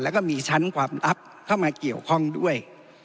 แล้วก็มีชั้นความลับเข้ามาเกี่ยวข้องด้วย